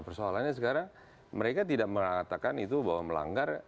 persoalannya sekarang mereka tidak mengatakan itu bahwa melanggar